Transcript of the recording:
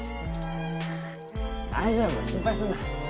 大丈夫心配すんな。